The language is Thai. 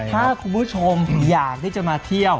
ถ้าคุณผู้ชมอยากที่จะมาเที่ยว